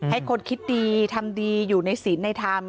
ให้คนคิดดีทำดีอยู่ในศีลในธรรม